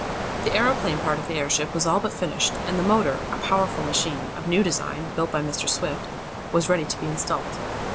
The aeroplane part of the airship was all but finished, and the motor, a powerful machine, of new design, built by Mr. Swift, was ready to be installed.